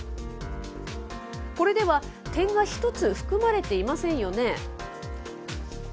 これでは点が１つ含まれていませんよね。